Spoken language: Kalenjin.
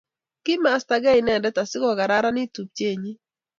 kimasta gei inendet asikukararanit tupchenyin.